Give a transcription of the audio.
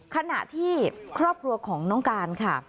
ขณะที่ครอบครัวของน้องการค่ะ